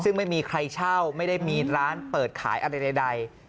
ซึ่งไม่มีใครเช่าไม่ได้มีร้านเปิดขายอะไรใด